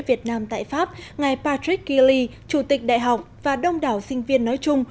việt nam tại pháp ngài patrick gilley chủ tịch đại học và đông đảo sinh viên nói chung